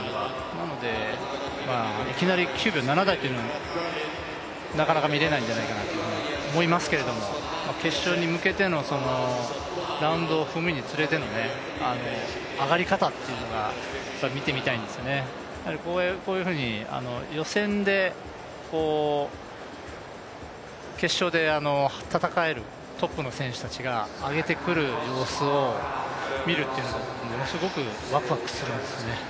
なので、いきなり９秒７台というのはなかなか見れないんじゃないかなと思いますけど、決勝に向けてのラウンドを踏むにつれて上がり方を見てみたいんですね、こういうふうに予選で、決勝で戦えるトップの選手たちが上げてくる様子を見るというのはものすごくワクワクするんですね。